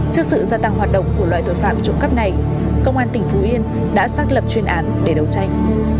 trước sự gia tăng hoạt động của loại tội phạm trộm cắp này công an tỉnh phú yên đã xác lập chuyên án để đấu tranh